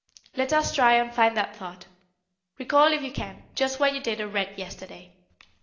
Let us try and find that thought. Recall, if you can, just what you did or read yesterday."